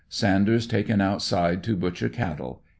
— Sanders taken outside to butcher cattle.